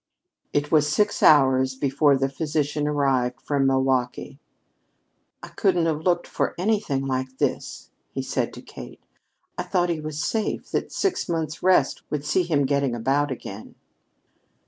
It was six hours before the physician arrived from Milwaukee. "I couldn't have looked for anything like this," he said to Kate. "I thought he was safe that six months' rest would see him getting about again."